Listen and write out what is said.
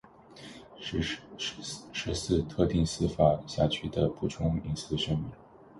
十四、特定司法辖区的补充隐私声明